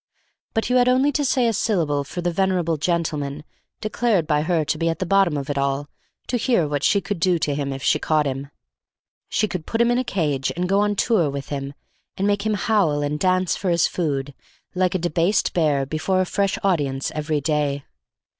But you had only to say a syllable for a venerable gentleman, declared by her to be at the bottom of it all, to hear what she could do to him if she caught him. She could put him in a cage and go on tour with him, and make him howl and dance for his food like a debased bear before a fresh audience every day.